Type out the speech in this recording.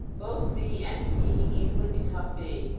Both V and P easily become B.